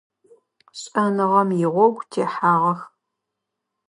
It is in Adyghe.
Шӏэныгъэм игъогу техьагъэх.